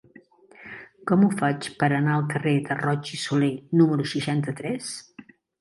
Com ho faig per anar al carrer de Roig i Solé número seixanta-tres?